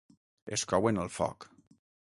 Es couen al foc.